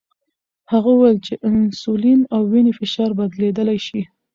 هغه وویل چې انسولین او وینې فشار بدلیدلی شي.